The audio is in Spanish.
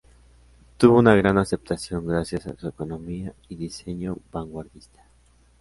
Tuvo una gran aceptación gracias a su economía y diseño vanguardista.